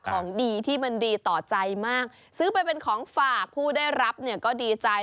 ของดีที่มันดีต่อใจมากซื้อไปเป็นของฝากผู้ได้รับเนี่ยก็ดีใจ